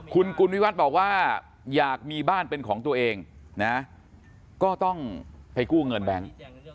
คุณกุลวิวัตรบอกว่าอยากมีบ้านเป็นของตัวเองนะก็ต้องไปกู้เงินแบงค์